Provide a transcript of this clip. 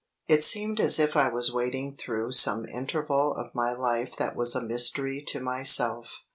It seemed as if I was waiting through some interval of my life that was a mystery to myself.